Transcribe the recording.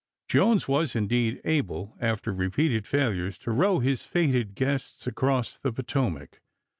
Jones was indeed able, after repeated failures, to row his fated guests across the Potomac.